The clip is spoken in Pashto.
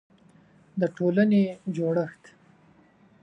د ټولنې جوړښت